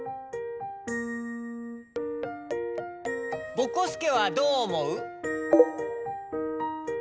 ぼこすけはどうおもう？